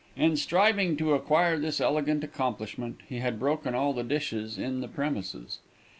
In striving to acquire this elegant accomplishment, he had broken all the dishes in the premises.